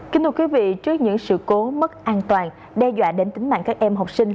kính thưa quý vị trước những sự cố mất an toàn đe dọa đến tính mạng các em học sinh